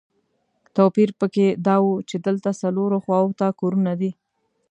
توپیر په کې دا و چې دلته څلورو خواوو ته کورونه دي.